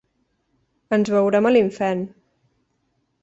Ens veurem a l’infern.